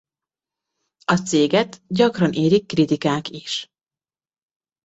A céget gyakran érik kritikák is.